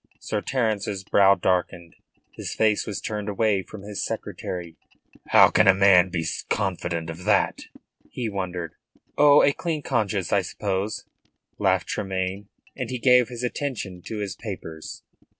Sir Terence's brow darkened. His face was turned away from his secretary. "How can a man be confident of that?" he wondered. "Oh, a clean conscience, I suppose," laughed Tremayne, and he gave his attention to his papers.